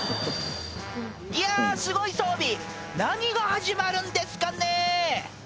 いやすごい装備何が始まるんですかね